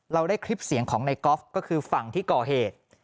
ได้คลิปเสียงของในกอล์ฟก็คือฝั่งที่ก่อเหตุ